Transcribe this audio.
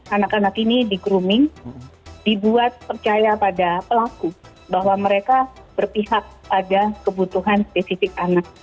anak anak ini di grooming dibuat percaya pada pelaku bahwa mereka berpihak pada kebutuhan spesifik anak